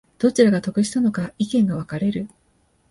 どちらが得したのか意見が分かれる